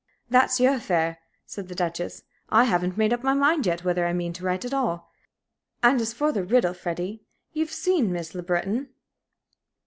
"That's your affair," said the Duchess. "I haven't made up my mind yet whether I mean to write at all. And as for the riddle, Freddie, you've seen Miss Le Breton?"